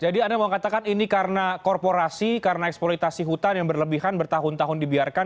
jadi anda mengatakan ini karena korporasi karena eksploitasi hutan yang berlebihan bertahun tahun dibiarkan